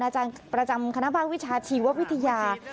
อาจารย์ประจำคณะภาควิชาชีววิทยา